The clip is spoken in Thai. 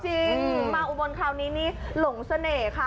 จริงมาอุบลคราวนี้นี่หลงเสน่ห์ค่ะ